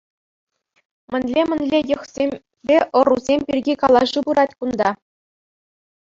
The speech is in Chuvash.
Мӗнле-мӗнле йӑхсемпе ӑрусем пирки калаҫу пырать кун-та?